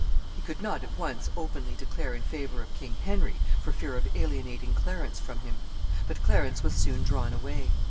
He could not at once openly declare in favor of King Henry, for fear of alienating Clarence from him. But Clarence was soon drawn away.